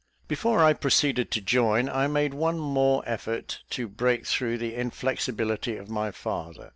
Before I proceeded to join, I made one more effort to break through the inflexibility of my father.